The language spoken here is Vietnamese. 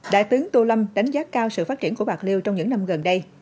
đại tướng tô lâm đánh giá cao sự phát triển của bạc liêu trong những năm gần đây